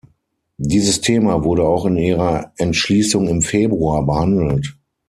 Dieses Thema wurde auch in Ihrer Entschließung im Februar behandelt.